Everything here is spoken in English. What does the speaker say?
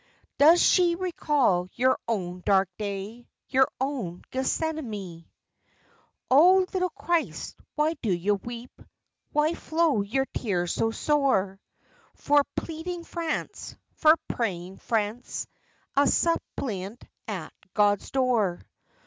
Does she recall your own dark day, Your own Gethsemane? Oh little Christ, why do you weep, Why flow your tears so sore For pleading France, for praying France, A suppliant at God's door?